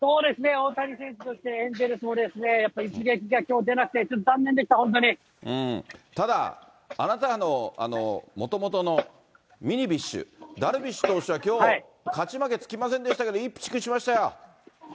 大谷選手、エンゼルスもやっぱり一撃がきょうでなくて、ちょっと残念でした、ただ、あなたの、もともとの、ミニビッシュ、ダルビッシュ投手はきょう、勝ち負けつきませんでしたけど、いいピッチングしましたよ。